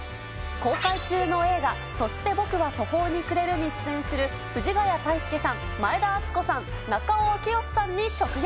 公開中の映画、そして僕は途方に暮れるに出演する藤ヶ谷太輔さん、前田敦子さん、中尾明慶さんに直撃。